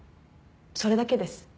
それだけです。